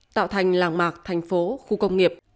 tạo thành làng mạc thành phố khu công nghiệp